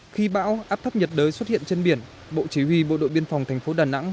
khi bão áp thấp nhiệt đới xuất hiện trên biển bộ chỉ huy bộ đội biên phòng thành phố đà nẵng